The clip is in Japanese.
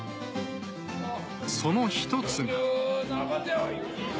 その１つが。